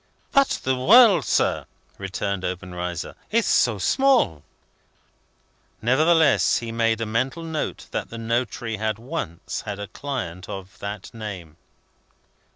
"But the world, sir," returned Obenreizer, "is so small!" Nevertheless he made a mental note that the notary had once had a client of that name.